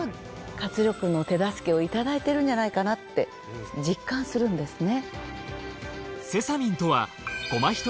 活力の手助けをいただいてるんじゃないかなって実感するんですね。